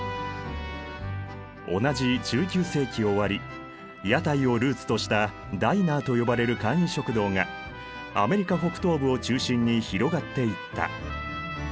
同じ１９世紀終わり屋台をルーツとしたダイナーと呼ばれる簡易食堂がアメリカ北東部を中心に広がっていった。